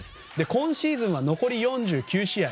今シーズンは残り４９試合